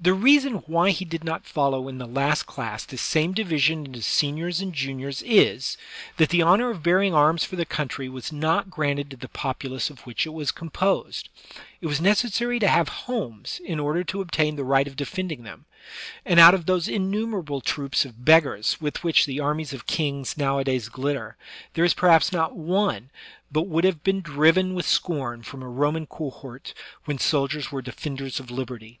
The reason why he did not follow in the last class this same division into seniors and juniors is, that the honor of bearing arms for their country was not granted to the populace of which it was composed; it was necessary to have homes in order to obtain the right of defending them; and out of those innumerable troops of beggars with which the armies of kings nowadays glitter, there is perhaps not one but would have been driven with scorn from a Roman cohort when soldiers were defend ers of liberty.